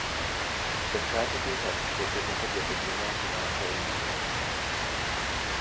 The Tragically Hip were presented with the Juno Humanitarian Award.